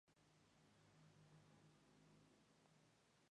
El medallón de honor fue diseñado por la firma parisina de Arthus-Bertrand.